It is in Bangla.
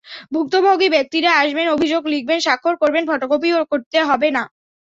ভুক্তভোগী ব্যক্তিরা আসবেন, অভিযোগ লিখবেন, স্বাক্ষর করবেন, ফটোকপিও করতে হবে না।